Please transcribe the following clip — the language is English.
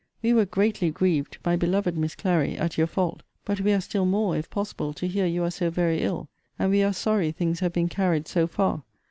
We were greatly grieved, my beloved Miss Clary, at your fault; but we are still more, if possible, to hear you are so very ill; and we are sorry things have been carried so far.